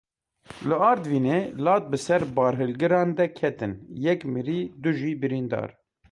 Li Artvînê lat bi ser barhilgiran de ketin yek mirî, du jî birîndar.